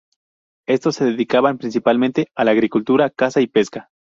Estos se dedicaban principalmente a la agricultura, caza y pesca.